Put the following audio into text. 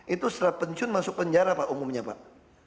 itu setelah pensiun masuk penjara pak umumnya pak